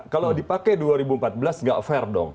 kalau dipakai dua ribu empat belas nggak fair dong